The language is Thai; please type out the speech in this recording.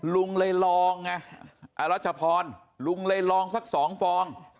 ลุงเลยลองระหว่างนี้ลุงเลยลองสัก๒ฟอง